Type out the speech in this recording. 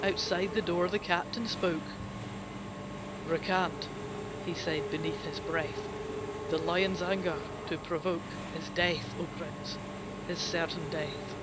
Outside the door, the Captain spoke, "Recant," he said beneath his breath; "The lion's anger to provoke Is death, O prince, is certain death."